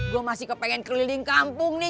gue masih kepengen keliling kampung nih